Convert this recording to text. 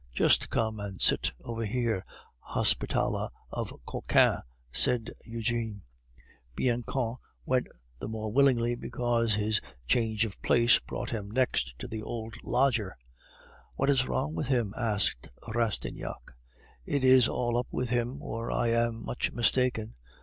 "Just come and sit over here, hospitaller of Cochin," said Eugene. Bianchon went the more willingly because his change of place brought him next to the old lodger. "What is wrong with him?" asked Rastignac. "It is all up with him, or I am much mistaken!